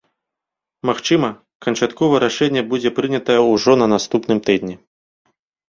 Магчыма, канчатковае рашэнне будзе прынятае ўжо на наступным тыдні.